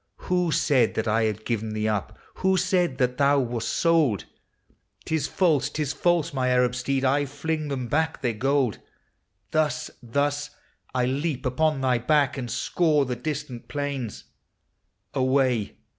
^Vho said that I had given thee up? who said that thou wast sold? T is false, — 't is false, my Arab steed! I fling them back their gold ! Thus, thus, I leap upon thy back, and scour the distant plains; Away!